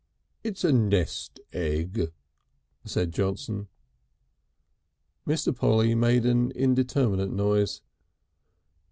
"It's a nest egg," said Johnson. Mr. Polly made an indeterminate noise.